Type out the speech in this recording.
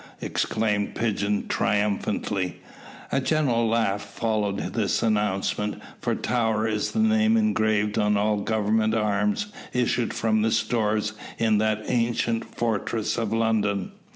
exclaimed Pigeon triumphantly. A general laugh followed this announcement, for Tower is the name engraved on all Government arms issued from the stores in that ancient fortress of London.